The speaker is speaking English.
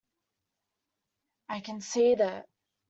I can see that.